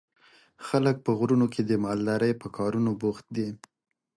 خلک په غرونو کې د مالدارۍ په کارونو بوخت دي.